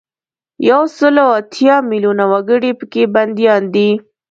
یو سل او اتیا میلونه وګړي په کې بندیان دي.